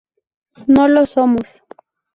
No lo somos.